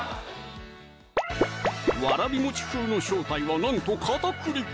「わらび風」の正体はなんと片栗粉！